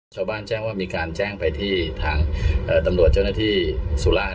ชาวบ้านแจ้งว่ามีการแจ้งไปที่ทางตำรวจเจ้าหน้าที่สุราช